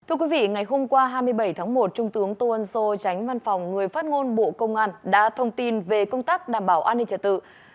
thưa quý vị ngày hôm qua hai mươi bảy tháng một trung tướng tô ân sô tránh văn phòng người phát ngôn bộ công an đã thông tin về công tác đảm bảo an ninh trật tự